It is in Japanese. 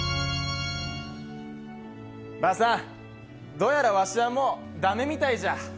ばあさん、どうやらわしは、もう駄目みたいじゃ。